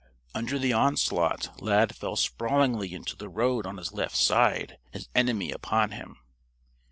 Under the onslaught Lad fell sprawlingly into the road on his left side, his enemy upon him.